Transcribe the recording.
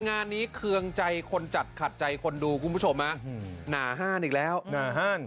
งานนี้เคืองใจคนจัดขัดใจคนดูคุณผู้ชมฮะหนาห้านอีกแล้วหนาห้าง